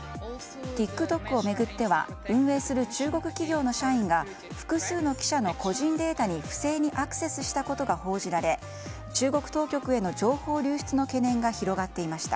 ＴｉｋＴｏｋを巡っては運営する中国企業の社員が複数の記者の個人データに不正にアクセスしたことが報じられ中国当局への情報流出の懸念が広がっていました。